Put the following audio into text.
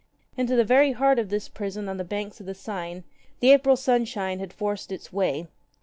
I. I NTO the very heart of this prison on the banks of the Seine the April sunshine had forced its way.